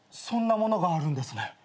そんなものがあるんですね。